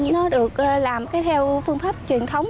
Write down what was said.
nó được làm theo phương pháp truyền thống